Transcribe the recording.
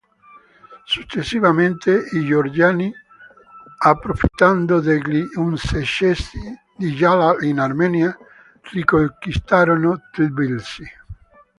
Successivamente i georgiani, approfittando degli insuccessi di Jalal in Armenia, riconquistarono Tbilisi.